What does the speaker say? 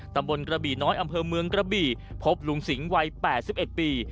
ตำบลกระบี่น้อยอำเภอเมืองกระบี่พบลุงสิงห์วัย๘๑ปี